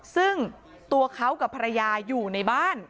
ซึ่งตัวเขากับภรรยาอยู่ในบ้าน